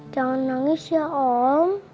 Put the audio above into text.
jangan nangis ya om